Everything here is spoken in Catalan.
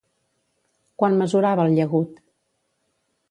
Quant mesurava el llagut?